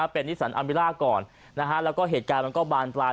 เป็นนิสันอามิล่าก่อนแล้วก็เหตุการณ์มันก็บานปลาย